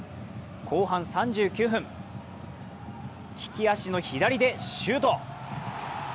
後半３９分、利き足の左でシュート！